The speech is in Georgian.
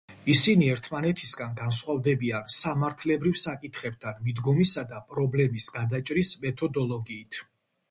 ისინი ერთმანეთისგან განსხვავდებიან სამართლებრივ საკითხებთან მიდგომისა და პრობლემის გადაჭრის მეთოდოლოგიით.